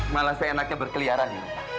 malah saya enaknya berkeliaran